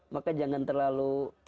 maka jangan terlalu